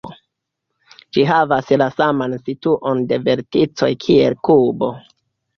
Ĝi havas la saman situon de verticoj kiel kubo.